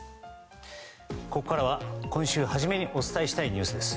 ここからは今週初めにお伝えしたいニュース。